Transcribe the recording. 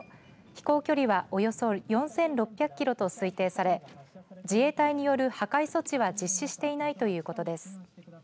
飛行距離はおよそ４６００キロと推定され自衛隊による破壊措置は実施していないということです。